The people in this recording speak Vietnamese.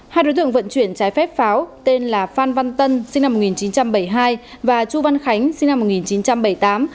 hai đối tượng vận chuyển trái phép pháo tên là phan văn tân sinh năm một nghìn chín trăm bảy mươi hai và chu văn khánh sinh năm một nghìn chín trăm bảy mươi tám